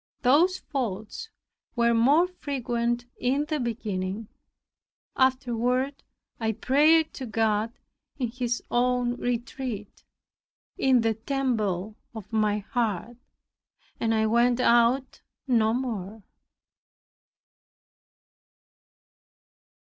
Those faults were more frequent in the beginning. Afterward I prayed to God in His own retreat, in the temple of my heart, and I went out no more.